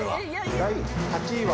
第８位は。